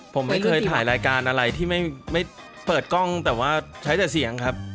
ผมไม่เคยถ่ายรายการอะไรที่ไม่เปิดกล้องแต่ว่าใช้แต่เสียงครับ